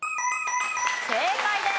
正解です。